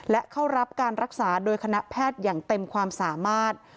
และเข้ารับการรักษาโดยคณะแพทย์อย่างเต็มความสามารถ